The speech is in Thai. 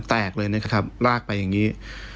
แตกเลยนะครับลากไปอย่างนี้